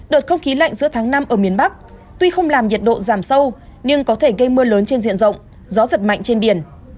đợt không khí lạnh giữa tháng năm ở miền bắc tuy không làm nhiệt độ giảm sâu nhưng có thể gây mưa lớn trên diện rộng gió giật mạnh trên biển